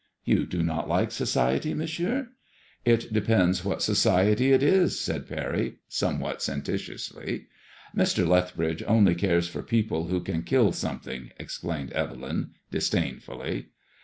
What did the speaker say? '' You do not like society. Monsieur ?*'^* It depends what society it is/' said Parry, somewhat senten tiously. ''Mr. Lethbridge only cares for people who can kill some 19 MADSMOISKLLl IXB. thing/' explained Evel}nay dis dainfully.